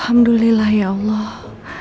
alhamdulillah ya allah